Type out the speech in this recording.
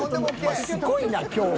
お前すごいな今日。